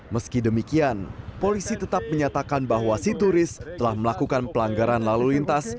meski demikian polisi tetap menyatakan bahwa si turis telah melakukan pelanggaran lalu lintas